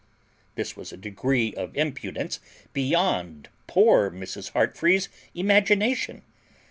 This was a degree of impudence beyond poor Mrs. Heartfree's imagination.